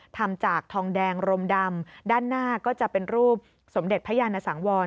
ทำจากทองแดงรมดำด้านหน้าก็จะเป็นรูปสมเด็จพระยานสังวร